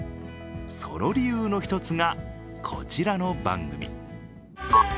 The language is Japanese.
その理由の一つが、こちらの番組。